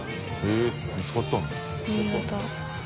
見つかったんだ。